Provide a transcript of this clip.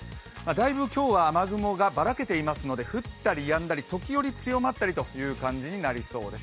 だいぶ今日は雨雲がばらけていますので降ったりやんだり、時折強まったりという感じになりそうです。